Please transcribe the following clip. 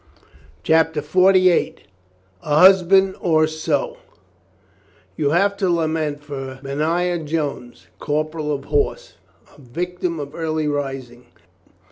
CHAPTER FORTY EIGHT A HUSBAND OR SO 'VT'OU have to lament for Benaiah Jones, corporal * of horse, a victim of early rising.